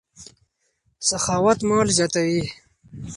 سخاوت مال زیاتوي.